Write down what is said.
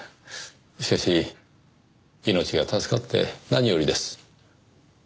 しかし命が助かって何よりです。